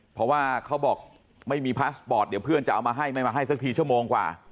เพราะว่าเขาบอกไม่มีพาสปอร์ตเดี๋ยวเพื่อนจะเอามาให้ไม่มาให้สักทีชั่วโมงกว่า